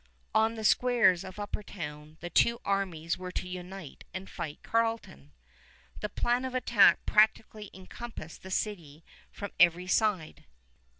On the squares of Upper Town the two armies were to unite and fight Carleton. The plan of attack practically encompassed the city from every side.